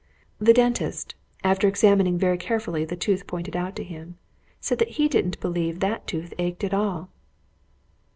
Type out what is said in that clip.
The dentist, after examining very carefully the tooth pointed out to him, said that he didn't believe that tooth ached at all.